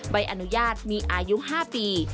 ใบอนุญาตมีอายุ๕ปี